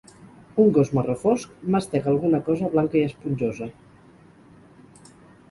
Un gos marró fosc mastega alguna cosa blanca i esponjosa.